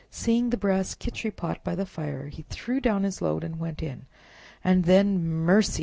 Seeing the brass Khichri pot by the fire, he threw down his load and went in. And then—mercy!